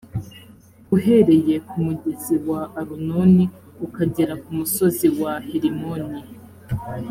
uhereye ku mugezi wa arunoni ukagera ku musozi wa herimoni.